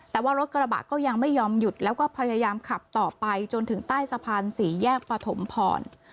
แต่ว่ารถกระบะก็ยังไม่ยอมหยุดแล้วก็พยายามขับต่อไปจนถึงใต้สะพานสี่แยกปฐมพร